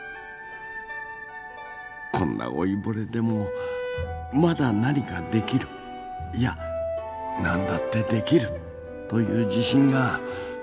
こんな老いぼれでも「まだ何かできる」いや「何だってできる」という自信が湧いてきたんです。